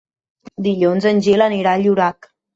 Dilluns en Gil anirà a Llorac.